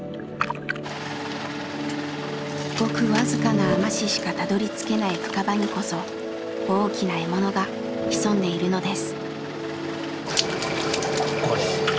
ごく僅かな海士しかたどりつけない深場にこそ大きな獲物が潜んでいるのです。